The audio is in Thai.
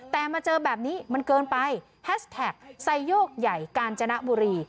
แต่มาเจอแบบนี้มันเกินไปแฮชแท็กไซโยกใหญ่กาญจนบุรี